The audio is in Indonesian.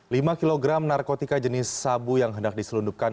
lima kg narkotika jenis sabu yang hendak diselundupkan